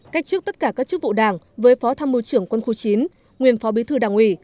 cách trước tất cả các chức vụ đảng với phó tham mưu trưởng quân khu chín nguyên phó bí thư đảng ủy